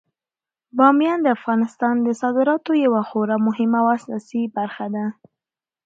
بامیان د افغانستان د صادراتو یوه خورا مهمه او اساسي برخه ده.